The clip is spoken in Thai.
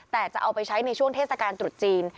แต่จะเอาไปใช้ในช่วงเทศกาลตรุษจีน